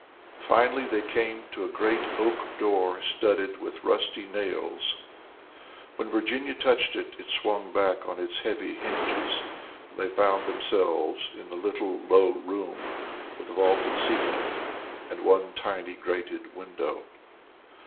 Finally, they came to a great oak door, studded with rusty nails. When Virginia touched it, it swung back on its heavy hinges, and they found themselves in a little low room, with a vaulted ceiling, and one tiny grated window.